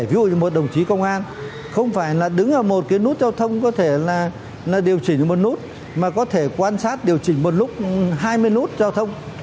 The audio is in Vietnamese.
ví dụ như một đồng chí công an không phải là đứng ở một cái nút giao thông có thể là điều chỉnh được một nút mà có thể quan sát điều chỉnh một lúc hai mươi nút giao thông